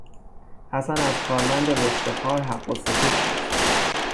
حسن از کارمند رشوهخوار حق السکوت خواست.